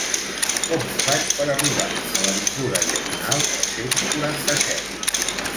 Com ho faig per arribar a l'avinguda Diagonal tres-cents quaranta-set?